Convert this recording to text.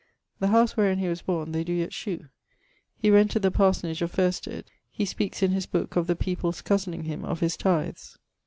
The howse wherein he was borne they doe yet shew. He rented the parsonage of Fairested. He speakes in his booke of the people's cosening him of his tythes.